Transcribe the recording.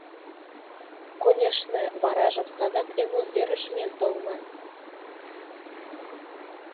Конешне, варажым садак эмлымверыш миен толман.